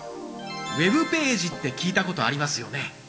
ウェブページって聞いたことありますよね。